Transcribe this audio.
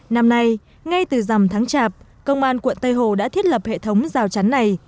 năm nay ngay từ dằm tháng chạp công an quận tây hồ đã thiết lập hệ thống rào chắn này